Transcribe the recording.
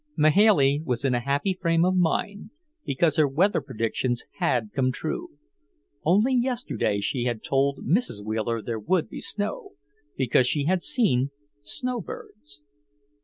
Mahailey was in a happy frame of mind because her weather predictions had come true; only yesterday she had told Mrs. Wheeler there would be snow, because she had seen snowbirds.